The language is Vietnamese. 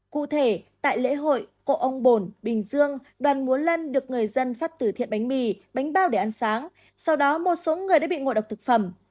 cụ thể tại lễ hội cộ ông bồn bình dương đoàn múa lân được người dân phát từ thiện bánh mì bánh bao để ăn sáng sau đó một số người đã bị ngộ độc thực phẩm